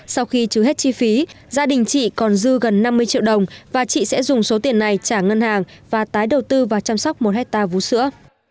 sau khi trừ hết chi phí gia đình chị còn dư gần năm mươi triệu đồng và chị sẽ dùng số tiền này trả ngân hàng và tái đầu tư và chăm sóc một hectare vũ sữa